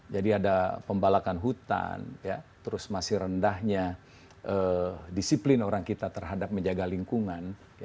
jadi ada pembalakan hutan terus masih rendahnya disiplin orang kita terhadap menjaga lingkungan